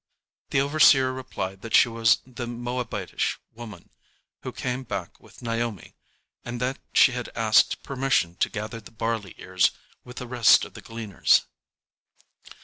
The overseer replied that she was the Moabitish woman who came back with Naomi, and that she had asked permission to gather the barley ears with the rest of the gleaners.